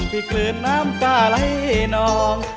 พิเกินน้ำกาไลนอง